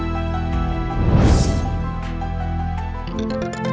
มือมือมือ